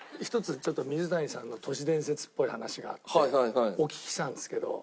ちょっと水谷さんの都市伝説っぽい話があってお聞きしたんですけど。